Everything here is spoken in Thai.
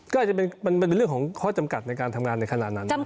ก็อาจจะมันเป็นเรื่องของข้อจำกัดในการทำงานในขณะนั้น